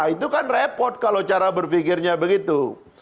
itu kan repot kalau cara berpikirnya begitu